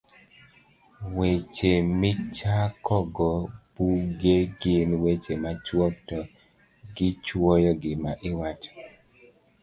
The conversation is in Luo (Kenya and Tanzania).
Weche Michakogo Buge gin weche machuok to gichuoyo gima iwacho